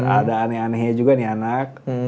ada aneh anehnya juga nih anak